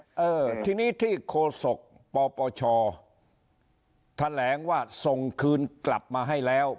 เออทีนี้ที่โฆษกปปชแถลงว่าส่งคืนกลับมาให้แล้ว